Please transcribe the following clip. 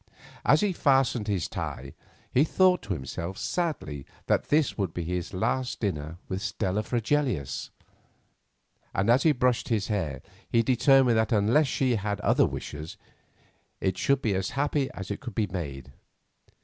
As he fastened his tie he thought to himself sadly that this would be his last dinner with Stella Fregelius, and as he brushed his hair he determined that unless she had other wishes, it should be as happy as it could be made.